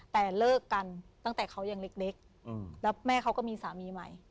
แต่เลิกกันตั้งแต่เขายังเล็กแล้วแม่เขาก็มีสามีใหม่